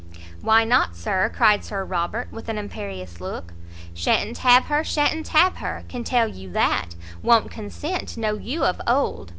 "Why not, Sir?" cried Sir Robert, with an imperious look. "Sha'n't have her, sha'n't have her! can tell you that; won't consent; know you of old."